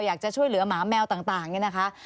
อยากจะช่วยเหลือหมาแมวต่างเนี่ยนะคะ